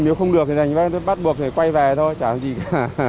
nếu không được thì bắt buộc quay về thôi chả làm gì cả